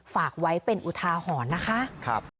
ฝากไว้เป็นอุทาหรณ์นะคะ